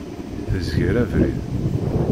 Tezger abrid.